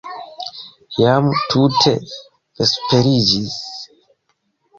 Jam tute vesperiĝis.